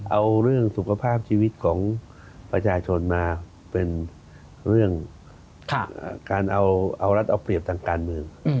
เอาเรื่องสุขภาพชีวิตของประชาชนมาเป็นเรื่องการเอารัฐเอาเปรียบทางการเมือง